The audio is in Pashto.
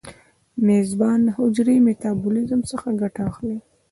د میزبان د حجرې میتابولیزم څخه ګټه اخلي.